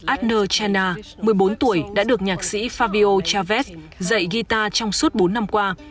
adner chena một mươi bốn tuổi đã được nhạc sĩ favio chavez dạy guitar trong suốt bốn năm qua